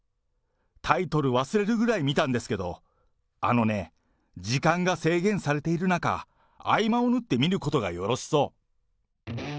タイトル忘れるぐらい見たんですけど、あのね、時間が制限されている中、合間を縫って見ることがよろしそう。